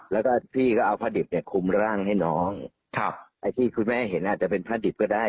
แล้วก็พี่ก็เอาผ้าดิบเนี่ยคุมร่างให้น้องครับไอ้ที่คุณแม่เห็นอาจจะเป็นผ้าดิบก็ได้